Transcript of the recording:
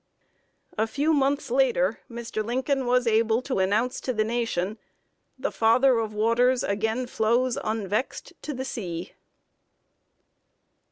A few months later, Mr. Lincoln was able to announce to the nation: "The Father of Waters again flows unvexed to the sea."